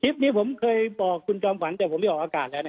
คลิปนี้ผมเคยบอกคุณจอมขวัญแต่ผมได้ออกอากาศแล้วนะ